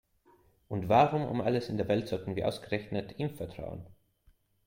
Und warum um alles in der Welt sollten wir ausgerechnet ihm vertrauen?